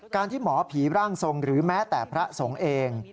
ที่หมอผีร่างทรงหรือแม้แต่พระสงฆ์เอง